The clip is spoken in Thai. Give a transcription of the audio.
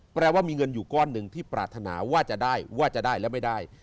แปลว่ามีเงินอยู่ก้อนหนึ่งที่ปรารถนาว่าจะได้ว่าจะได้และไม่ได้